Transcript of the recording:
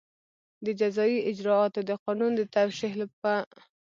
د جزایي اجراآتو د قانون د توشېح په